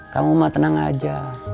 kamu mah tenang aja